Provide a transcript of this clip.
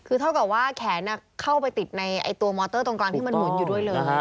คือเท่ากับว่าแขนเข้าไปติดในตัวมอเตอร์ตรงกลางที่มันหมุนอยู่ด้วยเลย